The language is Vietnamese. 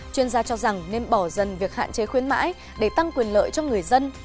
chuyên gia cho rằng nên bỏ dần việc hạn chế khuyến mãi để tăng quyền lợi cho người dân